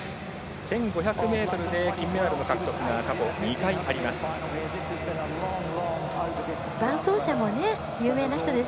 １５００ｍで金メダルの獲得が過去２回あります。